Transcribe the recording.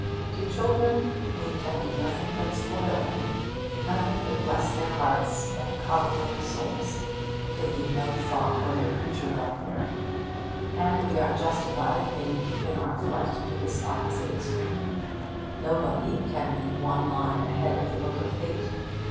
To children we can do nothing but 'spoil' them, nothing but bless their hearts and coddle their souls, taking no thought for their future welfare. And we are justified, maybe, in our flight to this opposite extreme. Nobody can read one line ahead in the book of fate.